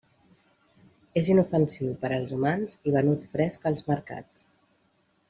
És inofensiu per als humans i venut fresc als mercats.